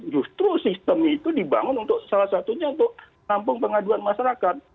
justru sistem itu dibangun untuk salah satunya untuk menampung pengaduan masyarakat